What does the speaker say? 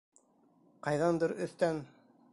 Ҡайҙандыр өҫтән: